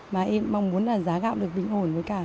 mà em mong muốn giá gạo được bình ổn